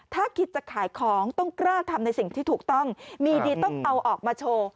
ถ้าคิดจะขายของต้องกล้าทำในสิ่งที่ถูกต้องมีดีต้องเอาออกมาโชว์